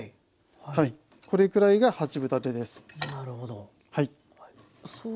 これくらいが八分立てです。